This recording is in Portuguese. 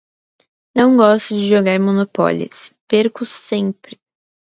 Não gosto de jogar Monopoly, perco sempre!